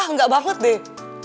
wah enggak banget deh